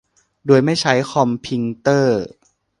โดยไม่ใช้คอมพิงเตอร์